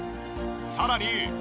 さらに。